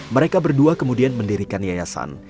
mereka berdua kemudian mendirikan yayasan